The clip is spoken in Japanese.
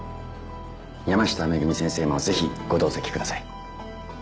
山下めぐみ先生もぜひご同席ください。